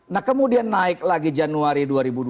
nah kemudian naik lagi januari